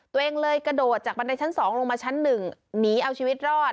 ตัวเองเลยกระโดดจากบันไดชั้น๒ลงมาชั้น๑หนีเอาชีวิตรอด